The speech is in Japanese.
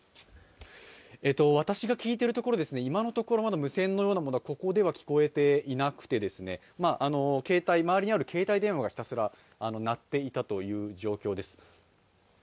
私が聞いてるところ今のところ無線のようなものはここでは聞こえていなくて、周りにある携帯電話がひたすら鳴っていたという状況です。